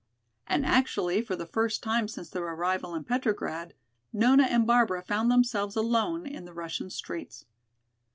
And actually for the first time since their arrival in Petrograd Nona and Barbara found themselves alone in the Russian streets.